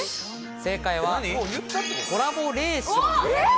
正解はコラボレーション。